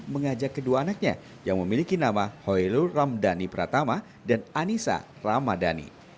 mengajak kedua anaknya yang memiliki nama hoyrul ramdhani pratama dan anissa ramadhani